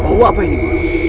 oh apa ini guru